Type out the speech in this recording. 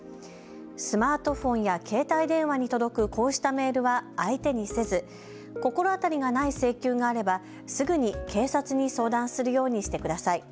スマートフォンや携帯電話に届くこうしたメールは相手にせず心当たりがない請求があればすぐに警察に相談するようにしてください。